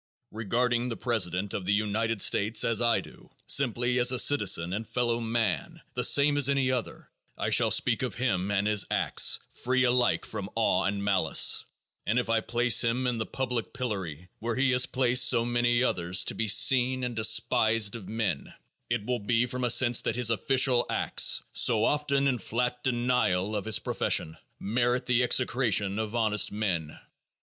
Regarding the president of the United States, as I do, simply as a citizen and fellowman, the same as any other, I shall speak of him and his acts free alike from awe and malice, and if I place him in the public pillory, where he has placed so many others, to be seen and despised of men, it will be from a sense that his official acts, so often in flat denial of his profession, merit the execration of honest men.